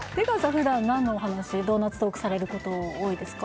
普段何のお話ドーナツトークされること多いですか？